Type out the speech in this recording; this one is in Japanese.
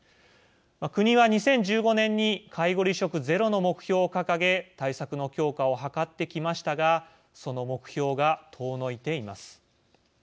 国は２０１５年に介護離職ゼロの目標を掲げ対策の強化を図ってきましたがその目標が遠のいています。